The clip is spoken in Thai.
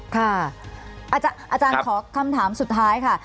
ค่ะอาจารย์ขอคำถามสุดท้ายค่ะ